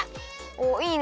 おっいいね！